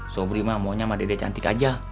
sobri mah maunya sama dede cantik aja